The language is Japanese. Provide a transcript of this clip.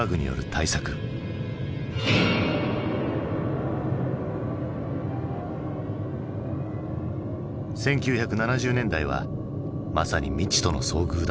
１９７０年代はまさに未知との遭遇だった。